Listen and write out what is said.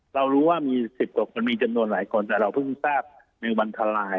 เรารู้ว่ามี๑๖มีจำนวนหลายคนแต่เราเพิ่งทราบมันทราย